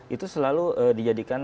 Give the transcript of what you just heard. itu selalu dijadikan